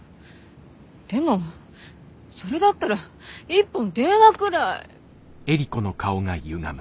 でもそれだったら一本電話ぐらい。